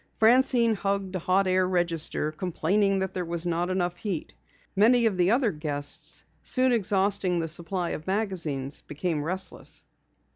Francine hugged a hot air register, complaining that there was not enough heat, Many of the other guests, soon exhausting the supply of magazines, became restless.